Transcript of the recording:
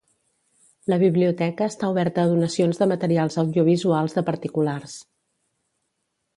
La Biblioteca està oberta a donacions de materials audiovisuals de particulars.